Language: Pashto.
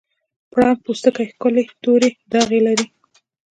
د پړانګ پوستکی ښکلي تورې داغې لري.